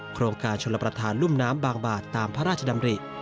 โครงการชลประธานรุ่มน้ำบางบาทตามพระราชดำริ